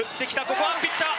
ここはピッチャー